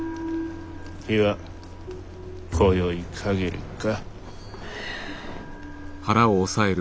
機はこよい限りか。